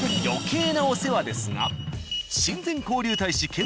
余計なお世話ですが親善交流大使